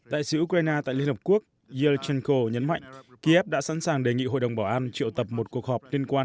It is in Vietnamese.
đại sứ ukraine tại liên hợp quốc yerchenko nhấn mạnh kiev đã sẵn sàng đề nghị hội đồng bảo an triệu tập một cuộc họp liên quan